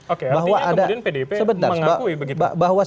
oke artinya kemudian pdip mengakui begitu